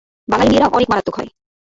বাঙালি মেয়েরা অনেক মারাত্মক হয়!